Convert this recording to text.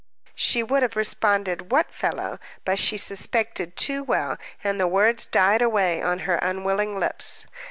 She would have responded, what fellow? But she suspected too well, and the words died away on her unwilling lips.